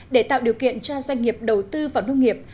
để tạo điều kiện cho doanh nghiệp đầu tư vào nông nghiệp